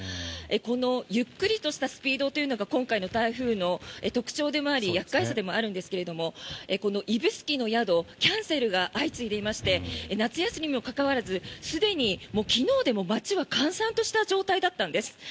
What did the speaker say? このゆっくりとしたスピードというのが今回の台風の特徴でもあり厄介さでもあるんですがこの指宿の宿キャンセルが相次いでいまして夏休みにもかかわらずすでに昨日でも街は閑散とした状態だったんです。